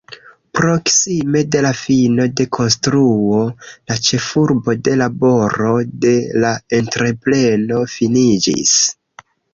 Proksime de la fino de konstruo, la ĉefurbo de laboro de la entrepreno finiĝis.